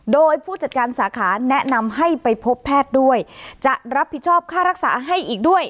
โดยผู้จัดการสาขาแนะนำให้ไปพบแพทย์ด้วยจะรับผิดชอบค่ารักษาให้อีกด้วย